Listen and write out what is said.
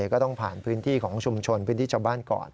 ก็ต้องผ่านพื้นที่ของชุมชนพื้นที่ชาวบ้านก่อน